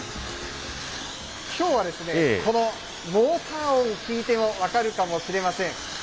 きょうはですね、このモーター音聞いても分かるかもしれません。